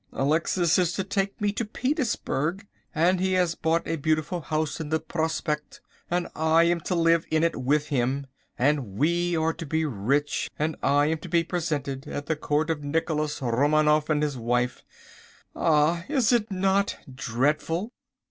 Alexis is to take me to Petersburg, and he has bought a beautiful house in the Prospekt, and I am to live in it with him, and we are to be rich, and I am to be presented at the Court of Nicholas Romanoff and his wife. Ah! Is it not dreadful?